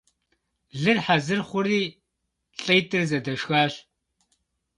Лыр хьэзыр хъури, лӀитӀыр зэдэшхащ.